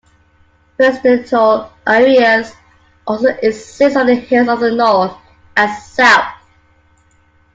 Residential areas also exist on the hills of the north and south.